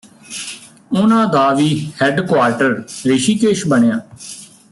ਉਨ੍ਹਾਂ ਦਾ ਵੀ ਹੈੱਡਕੁਆਰਟਰ ਰਿਸ਼ੀਕੇਸ਼ ਬਣਿਆ